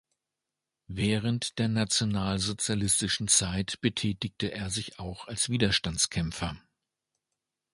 Während der nationalsozialistischen Zeit betätigte er sich auch als Widerstandskämpfer.